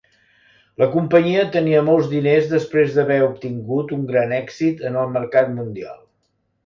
La companyia tenia molts diners després d'haver obtingut un gran èxit en el mercat mundial.